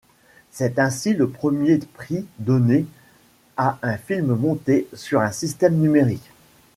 C'est ainsi le premier prix donné à un film monté sur un système numérique.